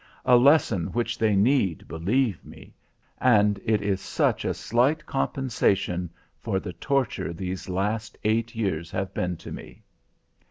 a lesson which they need, believe me, and it is such a slight compensation for the torture these last eight years have been to me!